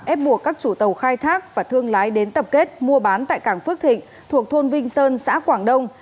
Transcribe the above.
ép buộc các chủ tàu khai thác và thương lái đến tập kết mua bán tại cảng phước thịnh thuộc thôn vinh sơn xã quảng đông